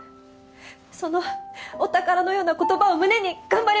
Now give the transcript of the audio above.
そのお宝のような言葉を胸に頑張ります！